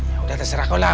ya udah terserah kau lah